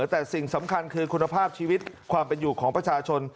แต่สิ่งสำคัญคือคุณภาพชีวิตความเป็นอยู่ของประชาชน